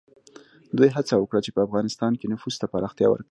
دوی هڅه وکړه چې په افغانستان کې نفوذ ته پراختیا ورکړي.